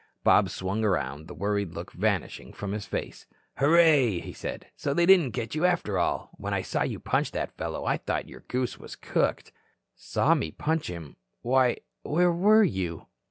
Bob swung around, the worried look vanishing from his face. "Hurray," he said. "So they didn't get you after all? When I saw you punch that fellow I thought your goose was cooked." "Saw me punch him? Why, where were you?"